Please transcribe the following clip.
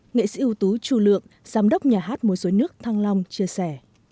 nghệ sĩ ưu tú trù lượng giám đốc nhà hát mua suối nước thăng long chia sẻ